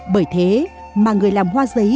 bởi thế mà người làm hoa giấy